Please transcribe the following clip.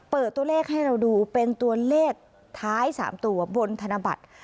เปิดตัวเลขให้เราดูเป็นตัวเลขท้าย๓ตัวบนธนบัตร